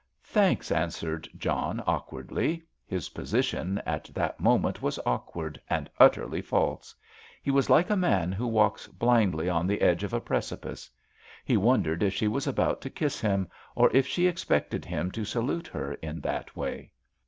"Thanks," answered John, awkwardly; his position at that moment was awkward and utterly false; he was like a man who walks blindly on the edge of a precipice. He wondered if she was about to kiss him, or if she expected him to salute her in that way.